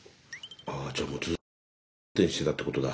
あじゃあもうずっと無免許運転してたってことだ。